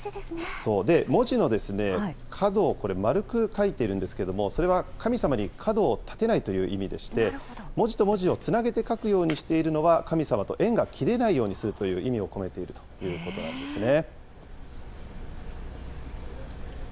文字の角を丸く書いてるんですけれども、それは神様に角を立てないという意味でして、文字と文字をつなげて書くようにしているのは、神様と縁が切れないようにするという意味を込めているということなんですね。